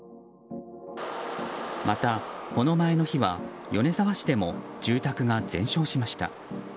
また、この前の日は米沢市でも住宅が全焼しました。